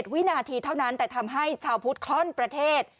วินาทีเท่านั้นแต่ทำให้ชาวพุทธคล่อนประเทศ